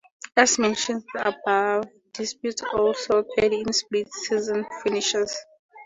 As mentioned above, disputes also occurred in the split season finishes.